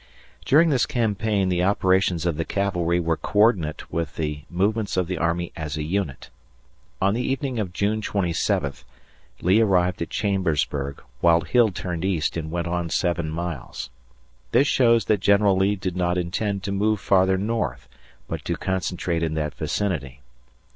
During this campaign, the operations of the cavalry were coördinate with the movements of the army as a unit. On the evening of June 27, Lee arrived at Chambersburg, while Hill turned east and went on seven miles. This shows that General Lee did not intend to move farther north, but to concentrate in that vicinity.